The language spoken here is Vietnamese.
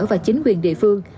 và chính quyền địa phương